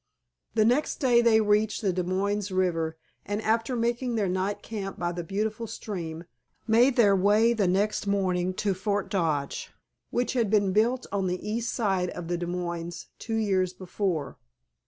The next day they reached the Des Moines River, and after making their night camp by the beautiful stream made their way the next morning to Fort Dodge, which had been built on the east side of the Des Moines two years before.